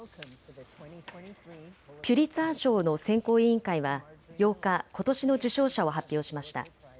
ピュリツァー賞の選考委員会は８日、ことしの受賞者を発表しました。